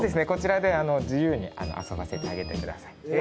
こちらで自由に遊ばせてあげてください。